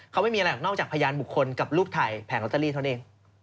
เขาไม่มีอะไรหรอกนอกจากพยานบุคคลกับรูปถ่ายแผงลอตเตอรี่เท่านั้นเอง